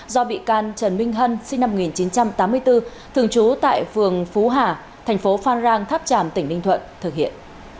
do bị can trần minh hân sinh năm một nghìn chín trăm tám mươi bốn thường trú tại phường phú hà thành phố phan rang tháp tràm tỉnh ninh thuận thực hiện